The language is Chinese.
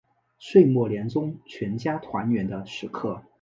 岁末年终全家团圆的时刻